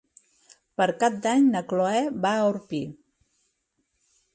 Per Cap d'Any na Cloè va a Orpí.